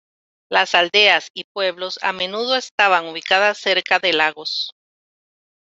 Las aldeas y pueblos a menudo estaban ubicadas cerca de lagos.